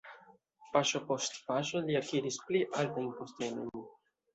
Paŝo post paŝo li akiris pli altajn postenojn.